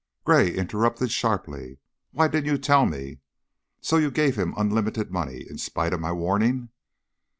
Gray interrupted, sharply. "Why didn't you tell me? So, you gave him unlimited money, in spite of my warning?"